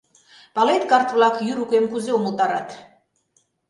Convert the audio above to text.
Палет, карт-влак йӱр укем кузе умылтарат?